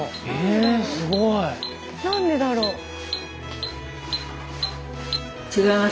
えすごい。何でだろう？